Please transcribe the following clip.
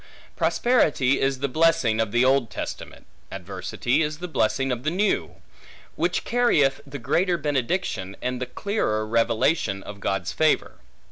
Prosperity is the blessing of the Old Testament; adversity is the blessing of the New; which carrieth the greater benediction, and the clearer revelation of God's favor.